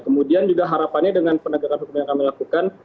kemudian juga harapannya dengan penegakan hukum yang kami lakukan